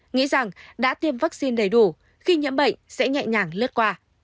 nghĩ rằng đã tiêm vaccine đầy đủ khi nhiễm bệnh sẽ nhẹ nhàng lướt qua